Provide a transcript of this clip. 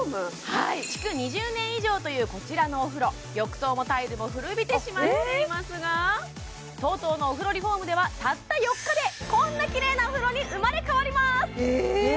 はい築２０年以上というこちらのお風呂浴槽もタイルも古びてしまっていますがＴＯＴＯのお風呂リフォームではたった４日でこんなきれいなお風呂に生まれ変わりますえ！